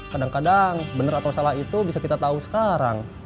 kadang kadang benar atau salah itu bisa kita tahu sekarang